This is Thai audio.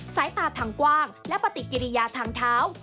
สายตาทางกว้างและปฏิกิริยาทางเท้า